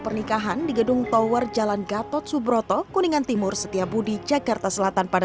pernikahan di gedung tower jalan gatot subroto kuningan timur setiabudi jakarta selatan pada